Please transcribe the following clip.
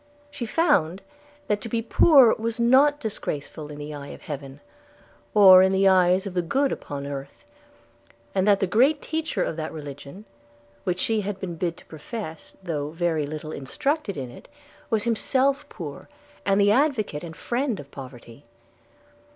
She found that to be poor was not disgraceful in the eye of Heaven, or in the eyes of the good upon earth; and that the great teacher of that religion which she had been bid to profess, though very little instructed in it, was himself poor, and the advocate and friend of poverty.